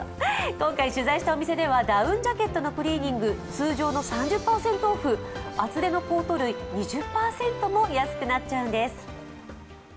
今回取材したお店ではダウンジャケットのクリーニング通常の３０％、厚手のコート類、２０％も安くなっちゃうんです。